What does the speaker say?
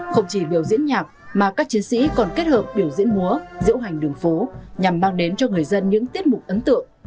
không chỉ biểu diễn nhạc mà các chiến sĩ còn kết hợp biểu diễn múa diễu hành đường phố nhằm mang đến cho người dân những tiết mục ấn tượng